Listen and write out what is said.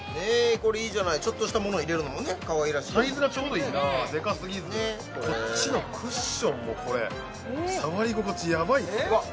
これいいじゃないちょっとしたものを入れるのもねかわいらしいサイズがちょうどいいなでかすぎずねえこっちのクッションもこれ触り心地やばいですよえっ？